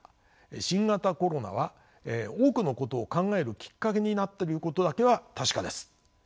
新型コロナは多くのことを考えるきっかけになっていることだけは確かです。